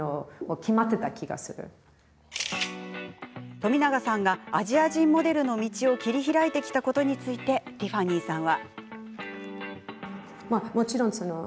冨永さんがアジア人モデルの道を切り開いてきたことについてティファニーさんは。